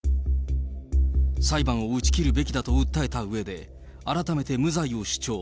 裁判を打ち切るべきだと訴えたうえで、改めて無罪を主張。